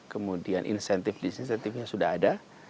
kemudian insentif disinsentifnya sudah ada